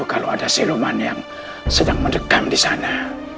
kalau ada siluman yang sedang mendekam disana